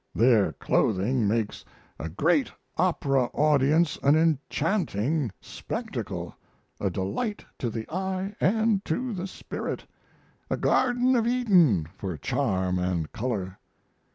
Their clothing makes a great opera audience an enchanting spectacle, a delight to the eye and to the spirit a garden of Eden for charm and color.